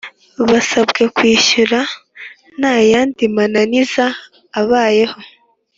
Basabwe kwishyura ntayandi mananiza abayeho